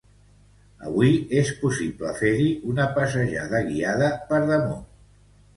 Avui és possible fer-hi una passejada guiada per damunt.